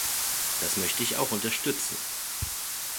Das möchte ich auch unterstützen.